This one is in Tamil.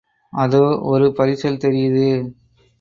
அதோ ஒரு பரிசல் தெரியுது.